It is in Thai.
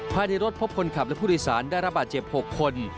ภายในรถพบคนขับและผู้โดยสารได้รับบาดเจ็บ๖คน